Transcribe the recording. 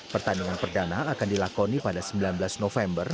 pertandingan perdana akan dilakoni pada sembilan belas november